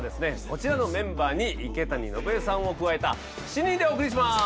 こちらのメンバーに池谷のぶえさんを加えた７人でお送りします！